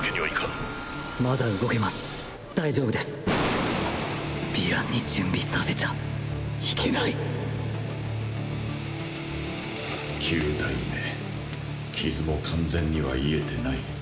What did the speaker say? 大丈夫ですヴィランに準備させちゃいけない九代目傷も完全には癒えてない。